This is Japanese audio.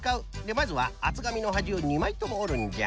まずはあつがみのはじを２まいともおるんじゃ。